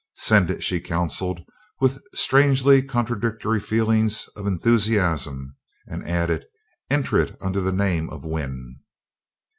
"Send it," she counseled with strangely contradictory feelings of enthusiasm, and added: "Enter it under the name of Wynn."